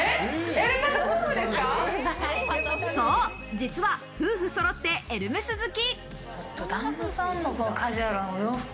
実は、夫婦そろってエルメス好き。